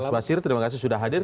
basirudin terima kasih sudah hadir